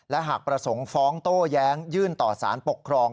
และหากประสงค์ฟ้องโต้แย้งยื่นต่อสารปกครอง